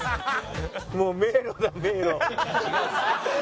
もう迷路だ迷路。